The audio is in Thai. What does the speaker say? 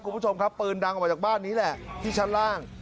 คุณผู้ชมครับปืนดังออกมาจากบ้านนี้แหละที่ชั้นล่าง